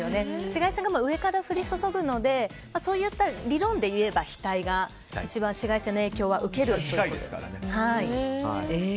紫外線が上から降り注ぐので理論でいえば額が一番、紫外線の影響は受ける場所だと思います。